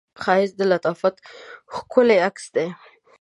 ښایست د لطافت ښکلی عکس دی